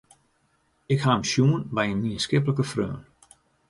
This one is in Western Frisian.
Ik ha him sjoen by in mienskiplike freon.